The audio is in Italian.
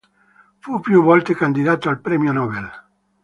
Fu più volte candidato al premio Nobel.